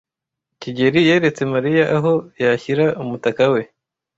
kigeli yeretse Mariya aho yashyira umutaka we.